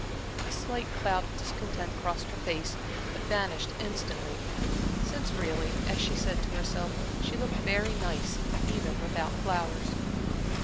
A slight cloud of discontent crossed her face, but vanished instantly; since really, as she said to herself, she looked very nice even without flowers.